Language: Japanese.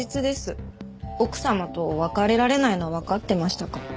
奥様と別れられないのはわかってましたから。